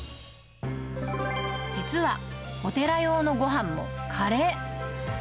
実は、お寺用のご飯もカレー。